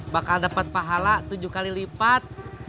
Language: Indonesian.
bakal dapat pahala tujuh kali lipat